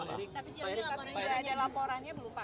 tapi nggak ada laporannya belum pak